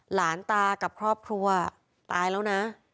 หลานตากับครอบครัวตายแล้วนะ